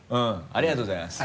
ありがとうございます。